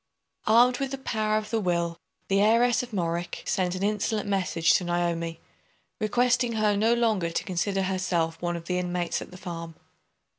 Armed with the power of the will, the heiress of Morwick sent an insolent message to Naomi, requesting her no longer to consider herself one of the inmates at the farm.